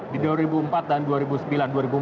di dua ribu empat dan dua ribu sembilan